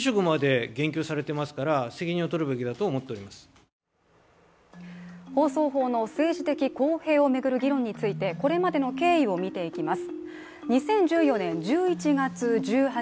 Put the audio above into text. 一方、野党は放送法の政治的公平を巡る議論についてこれまでの経緯を見ていきます。